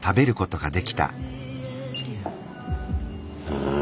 うん。